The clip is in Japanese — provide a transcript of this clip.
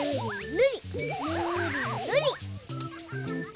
ぬりぬり。